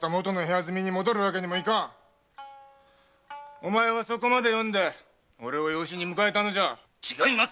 お前はそこまで読んで養子に迎えたのだ違います。